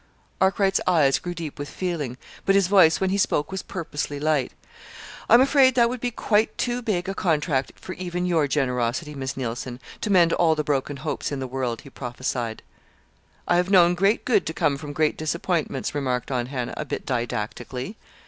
Arkwright's eyes grew deep with feeling, but his voice, when he spoke, was purposely light. "I'm afraid that would be quite too big a contract for even your generosity, Miss Neilson to mend all the broken hopes in the world," he prophesied. "I have known great good to come from great disappointments," remarked Aunt Hannah, a bit didactically.